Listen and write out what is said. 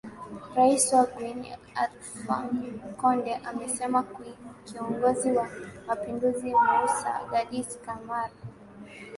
rais wa guinea alfa konde amesema kiongozi wa mapinduzi moussa dadis camara